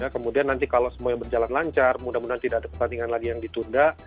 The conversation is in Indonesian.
kemudian nanti kalau semuanya berjalan lancar mudah mudahan tidak ada pertandingan lagi yang ditunda